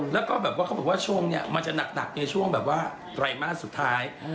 แล้วก็แบบว่าเขาบอกว่าชงเนี่ยมันจะหนักในช่วงแบบว่าไตรมาสสุดท้าย